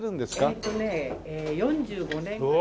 えっとね４５年ぐらい。